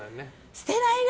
捨てないね。